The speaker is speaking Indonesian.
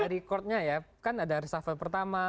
rekodnya ya kan ada resafel pertama